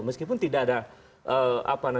meskipun tidak ada apa namanya